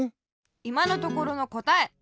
いまのところのこたえ！